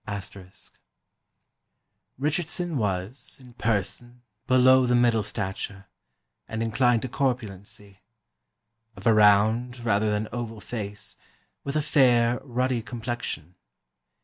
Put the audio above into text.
*] "Richardson was, in person, below the middle stature, and inclined to corpulency; of a round, rather than oval face, with a fair, ruddy complexion.